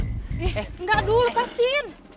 eh enggak dulu lepasin